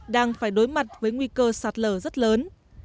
các nhà phải đối mặt với nguy cơ sạt lở rất lớn